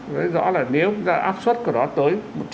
rõ ràng là nếu áp suất của nó tới